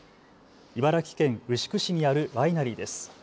茨城県牛久市にあるワイナリーです。